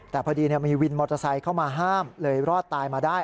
แต่พอดีมีวินมอเตอร์ไซค์เข้ามาห้ามเลยรอดตายมาได้